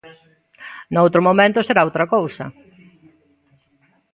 Noutro momento será outra cousa.